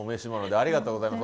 ありがとうございます。